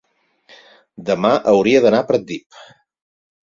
demà hauria d'anar a Pratdip.